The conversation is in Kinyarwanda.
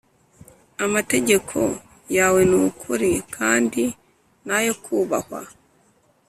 Amategeko yawe ni ukuri kandi ni ayo kubahwa.